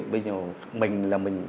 bây giờ mình là mình